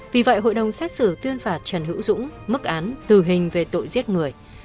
vì vậy hội đồng xét xử tuyên phạt trần hữu dũng mức án tử hình về tội giết người